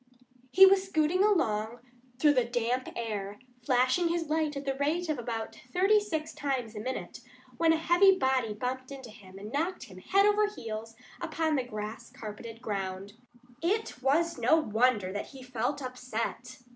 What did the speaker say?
He was scooting along through the damp air, flashing his light at the rate of about thirty six times a minute, when a heavy body bumped into him and knocked him head over heels upon the grass carpeted ground. It was no wonder that he felt upset.